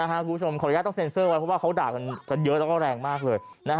ขออนุญาตต้องเซ็นเซอร์ไว้เพราะว่าเขาด่ากันเยอะแล้วก็แรงมากเลย